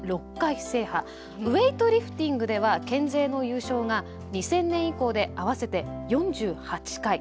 ウエイトリフティングでは県勢の優勝が２０００年以降で合わせて４８回。